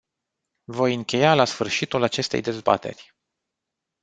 Voi încheia la sfârșitul acestei dezbateri.